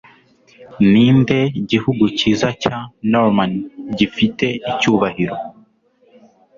Ninde gihugu cyiza cya Norman gifite icyubahiro